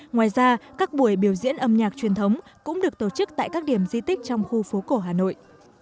ngoài ra các buổi biểu diễn âm nhạc truyền thống cũng được tổ chức tại các điểm di tích trong khu phố cổ hà nội